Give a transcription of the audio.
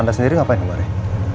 anda sendiri ngapain kemarin